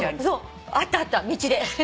会った会った道で。